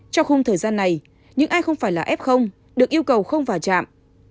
trong khung thời gian này những ai không phải là f được yêu cầu không vào trạm